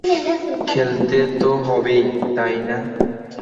খেলতে তো হবেই, তাই না?